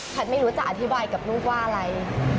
ไม่รู้จะอธิบายกับลูกว่าอะไร